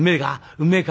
うめえか？」。